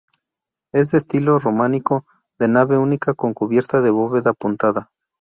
Es de estilo románico, de nave única con cubierta de bóveda apuntada.